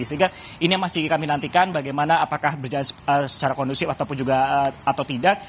sehingga ini yang masih kami nantikan bagaimana apakah berjalan secara kondusif ataupun juga atau tidak